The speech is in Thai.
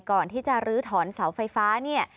ก่อนที่จะลื้อถอนเสาไฟฟ้าเนี่ย